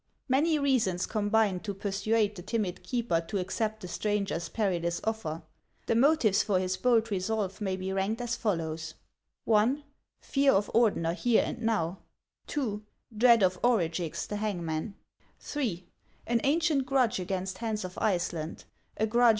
Many reasons combined to persuade the timid keeper to accept the stranger's perilous offer. The motives for his bold resolve may be ranked as follows : (1) fear of Ordener here and now; (2) dread of Orugix the hangman ; (3) an ancient grudge against Hans of Iceland, — a grudge 96 HANS OF ICELAND.